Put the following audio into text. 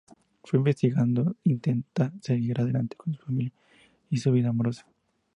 Aun investigando, intenta seguir adelante con su familia y su vida amorosa.